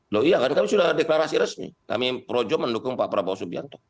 loh iya kan kami sudah deklarasi resmi kami projo mendukung pak prabowo subianto